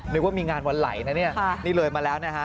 นึกว่ามีงานวันไหลนะเนี่ยนี่เลยมาแล้วนะฮะ